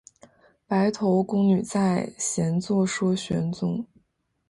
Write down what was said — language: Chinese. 白头宫女在，闲坐说玄宗。